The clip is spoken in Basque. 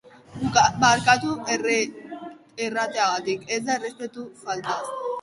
Barkatu errateagatik... ez da errespetu faltaz.